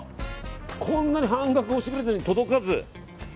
こんなに半額にしてくれてるのに届かず。